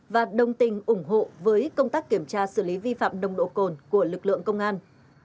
và đồng tình ủng hộ với công tác kiểm tra xử lý vi phạm nồng độ cồn của lực lượng công an